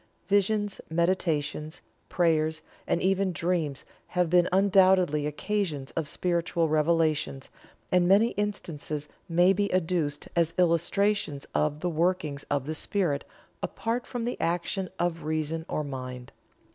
Visions, meditations, prayers, and even dreams have been undoubtedly occasions of spiritual revelations, and many instances may be adduced as illustrations of the workings of the Spirit apart from the action of reason or mind.